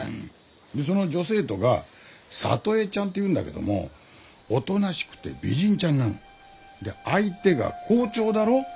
でその女生徒が里江ちゃんっていうんだけどもおとなしくて美人ちゃんなの。で相手が校長だろう？